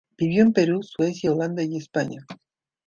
Vivió en Perú, Suecia, Holanda y España.